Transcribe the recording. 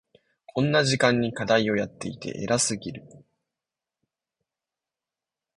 こんな時間に課題をやっていて偉すぎる。